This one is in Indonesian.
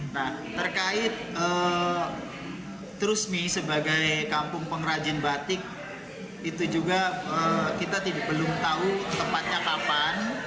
nah terkait trusmi sebagai kampung pengrajin batik itu juga kita belum tahu tepatnya kapan